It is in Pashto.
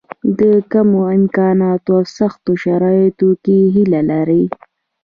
په کمو امکاناتو او سختو شرایطو کې هیله لري.